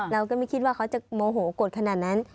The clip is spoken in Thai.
เราก็ไม่คิดว่าเขาจะโมโหกดขนาดนั้น